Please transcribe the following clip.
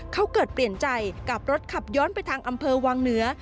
เขาเกิดเปลี่ยนใจกลับรถขับย้อนไปทางอำเภอวังเหนือ